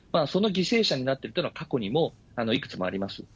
その犠牲者になっていったのは、過去にもいくつもあります。